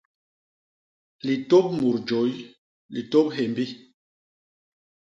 Litôp mut jôy, litôp hyémbi.